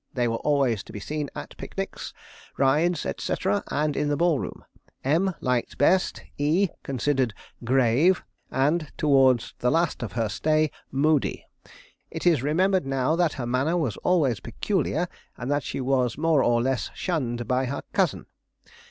They were always to be seen at picnics, rides, etc., and in the ballroom. M liked best. E considered grave, and, towards the last of her stay, moody. It is remembered now that her manner was always peculiar, and that she was more or less shunned by her cousin.